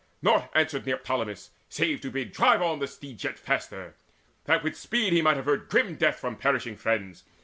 Naught answered Neoptolemus, save to bid Drive on the steeds yet faster, that with speed He might avert grim death from perishing friends.